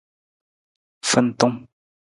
Fintung.